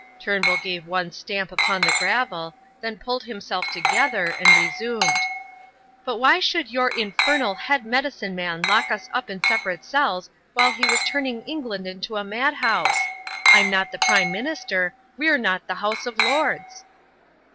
Turnbull gave one stamp upon the gravel, then pulled himself together, and resumed: "But why should your infernal head medicine man lock us up in separate cells while he was turning England into a madhouse? I'm not the Prime Minister; we're not the House of Lords."